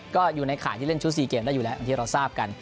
ก็อยู่ในข่ายที่เล่นชุด๔เกมได้อยู่แล้วอย่างที่เราทราบกัน